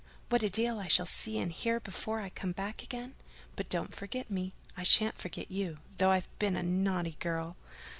what a deal I shall see and hear before I come back again. But don't forget me: I shan't forget you, though I've been a naughty girl.